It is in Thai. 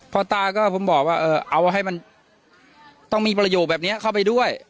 พ่อตาก็ผมบอกว่าเอาให้มันต้องมีประโยคแบบนี้เข้าไปด้วย